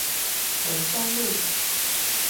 文山路